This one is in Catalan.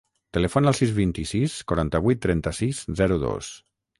Telefona al sis, vint-i-sis, quaranta-vuit, trenta-sis, zero, dos.